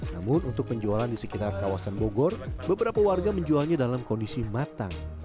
namun untuk penjualan di sekitar kawasan bogor beberapa warga menjualnya dalam kondisi matang